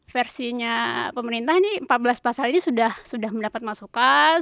versinya pemerintah ini empat belas pasal ini sudah mendapat masukan